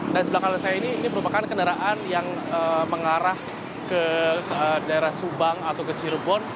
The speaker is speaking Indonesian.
dan di belakang saya ini ini merupakan kendaraan yang mengarah ke daerah subang atau ke cirebon